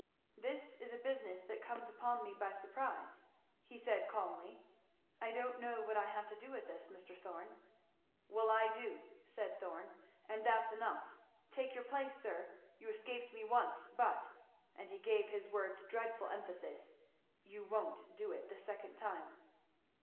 "This is a business that comes upon me by surprise," he said calmly, "I don't know what I have to do with this, Mr. Thorn." "Well I do," said Thorn, "and that's enough. Take your place, sir! You escaped me once, but" and he gave his words dreadful emphasis, "you won't do it the second time!"